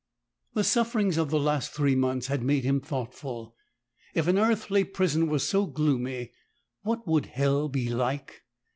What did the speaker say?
The sufferings of the last three months had made him thoughtful. If an earthly prison was so gloomy, what would Hell be like?